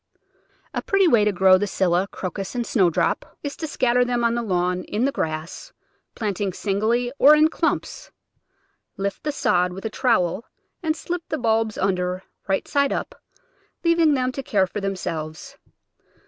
A pretty way to grow the Scilla, Crocus, and Snow drop is to scatter them on the lawn in the grass, plant ing singly or in clumps. Lift the sod with the trowel and slip the bulbs under, right side up, leaving them to care for themselves.